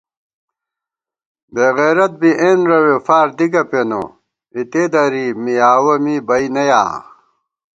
بېعِزَت بی اېنرَوے فار دِکہ پېنہ اِتے دری مِیاوَہ می بئ نَیا